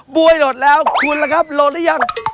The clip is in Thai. บัวยโหลดแล้วคุณล่ะครับโหลดหรือยัง